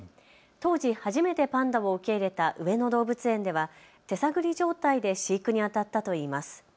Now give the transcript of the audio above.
当時、初めてパンダを受け入れた上野動物園では手探り状態で飼育にあたったといいます。